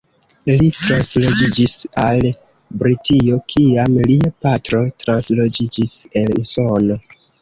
Li transloĝiĝis al Britio, kiam lia patro transloĝiĝis el Usono.